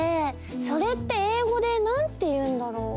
それって英語でなんて言うんだろう。